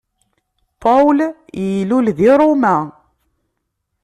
Paul ilul di Roma.